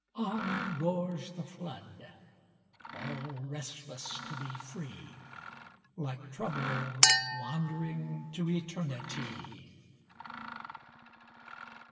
On roars the flood, all restless to be free, Like Trouble wandering to Eternity.